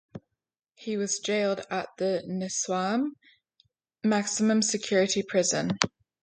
He was jailed at the Nsawam Maximum Security Prison.